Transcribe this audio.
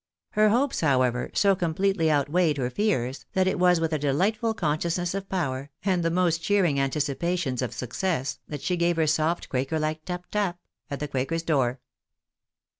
Her hopes, however, so completely outweighed her fears, that it was with a delightful consciousness of power, and the most cheering anticipations of success, that she gave her soft quaker hke tap tap at the quaker's door.